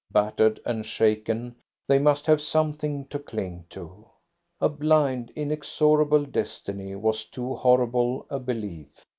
Battered and shaken, they must have something to cling to. A blind, inexorable destiny was too horrible a belief.